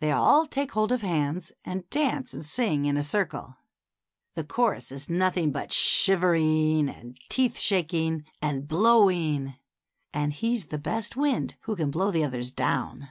They all take hold of hands and dance and sing in a circle. The chorus is nothing but shivering and teeth shaking and blowing, and he's the best wind who can blow the others down.